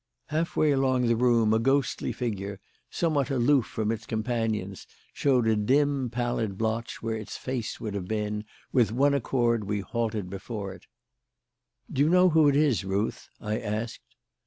Half way along the room a ghostly figure, somewhat aloof from its companions, showed a dim, pallid blotch where its face would have been. With one accord we halted before it. "Do you know who it is, Ruth?" I asked.